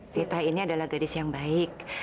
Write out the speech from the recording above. vita ini adalah gadis yang baik